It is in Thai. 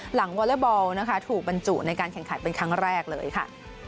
วอเล็กบอลนะคะถูกบรรจุในการแข่งขันเป็นครั้งแรกเลยค่ะ